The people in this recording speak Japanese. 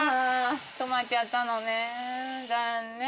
止まっちゃったのね残念。